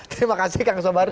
terima kasih kang sobari